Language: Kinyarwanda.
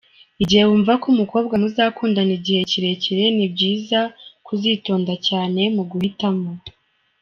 Igihe wumva ko umukobwa muzakundana igihe kirekire, ni byiza ko uzitonda cyane mu guhitamo.